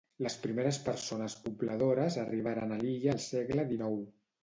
Les primeres persones pobladores arribaren a l'illa al segle dinou.